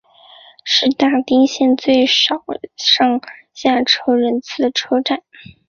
是大井町线最少上下车人次的车站。